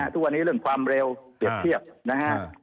ทุกวันนี้เรื่องความเร็วเปรียบเทียบนะฮะ